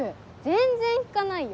全然引かないよ。